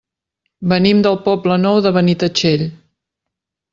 Venim del Poble Nou de Benitatxell.